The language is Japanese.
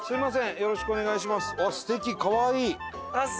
よろしくお願いします。